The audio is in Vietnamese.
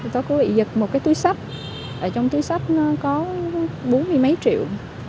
tôi có bị giật một cái túi sách trong túi sách có bốn mươi mấy triệu